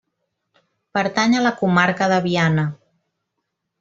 Pertany a la Comarca de Viana.